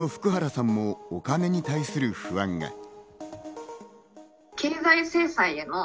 一方でモスクワの福原さんもお金に対する不安が。